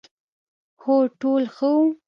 هو، ټول ښه وو،